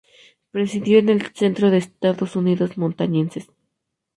Presidió el Centro de Estudios Montañeses.